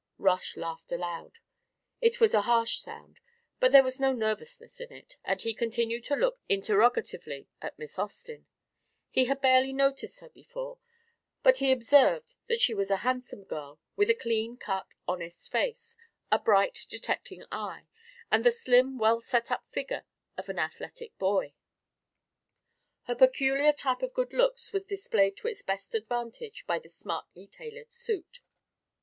Rush laughed aloud. It was a harsh sound, but there was no nervousness in it, and he continued to look interrogatively at Miss Austin. He had barely noticed her before, but he observed that she was a handsome girl with a clean cut honest face, a bright detecting eye, and the slim well set up figure of an athletic boy. Her peculiar type of good looks was displayed to its best advantage by the smartly tailored suit.